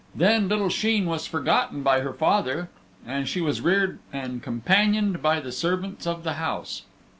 Then little Sheen was forgotten by her father, and she was reared and companioned by the servants of the house.